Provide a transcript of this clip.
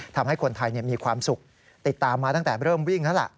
ทำให้คนไทยมีความสุขติดตามมาตั้งแต่เริ่มวิ่งแล้วล่ะ